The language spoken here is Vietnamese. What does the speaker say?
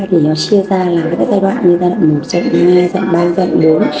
thì nó chia ra là cái giai đoạn như giai đoạn một giai đoạn hai giai đoạn ba giai đoạn bốn